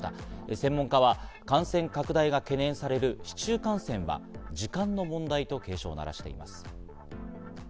専門家は感染拡大が懸念される市中感染は時間の問題と警鐘を鳴らしています。